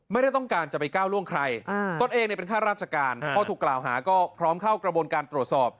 ไม่ได้ต้องการจะไปก้าวล่วงใครตนเองเป็นข้าราชการพอถูกกล่าวหาก็พร้อมเข้ากระบวนการตรวจสอบ